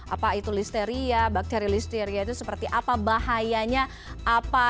apa itu listeria bakteri listeria itu seperti apa bahayanya apa